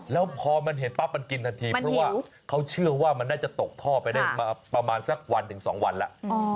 แล้วพอมันเห็นปั๊บมันกินทันทีเพราะว่าเขาเชื่อว่ามันน่าจะตกท่อไปได้ประมาณสักวันถึง๒วันแล้ว